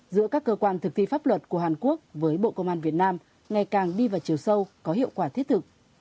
giữa các cơ quan thực thi pháp luật của hàn quốc với bộ công an việt nam ngày càng đi vào chiều sâu có hiệu quả thiết thực